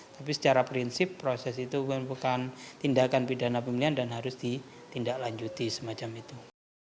tapi secara prinsip proses itu bukan tindakan pidana pemilihan dan harus ditindaklanjuti semacam itu